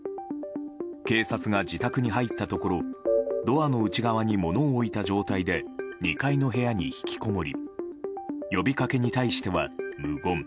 警察が自宅に入ったところドアの内側に物を置いた状態で２階の部屋にひきこもり呼びかけに対しては無言。